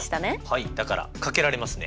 はいだからかけられますね。